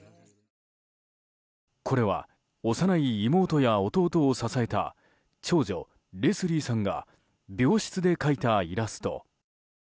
これは、幼い妹や弟を支えた長女レスリーさんが病室で描いたイラスト。